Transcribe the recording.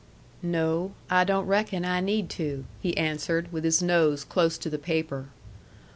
"No, I don't reckon I need to," he answered, with his nose close to the paper.